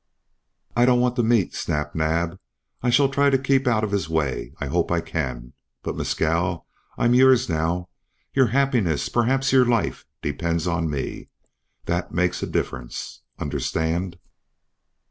"I don't want to meet Snap Naab. I shall try to keep out of his way. I hope I can. But Mescal, I'm yours now. Your happiness perhaps your life depends on me. That makes a difference. Understand!"